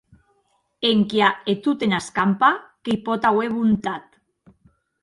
Enquia e tot ena escampa que i pòt auer bontat.